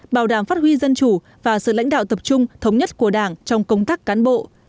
bảo đảm phát huy dân chủ và sự lãnh đạo tập trung thống nhất của đảng trong công tác cán bộ